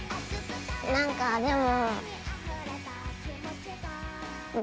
何かでも。